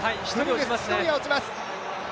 １人が落ちます。